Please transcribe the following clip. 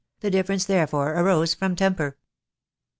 " the difference, therefore, arose from temper.